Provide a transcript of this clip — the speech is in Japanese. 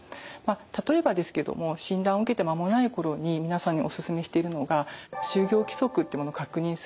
例えばですけども診断を受けて間もない頃に皆さんにお勧めしているのが就業規則ってものを確認する。